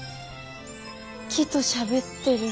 木としゃべってる。